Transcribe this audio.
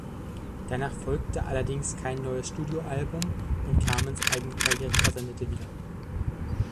Danach folgte allerdings kein neues Studio-Album, und Carmens eigene Karriere versandete wieder.